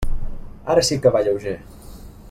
Ara sí que va lleuger.